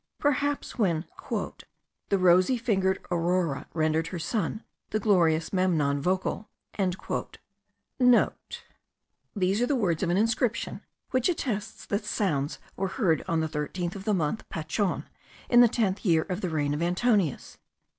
Perhaps, when, "the rosy fingered Aurora rendered her son, the glorious Memnon, vocal,"* (* These are the words of an inscription, which attests that sounds were heard on the 13th of the month Pachon, in the tenth year of the reign of Antoninus.